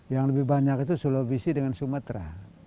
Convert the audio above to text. yang lebih banyak itu sulawesi dengan sumatera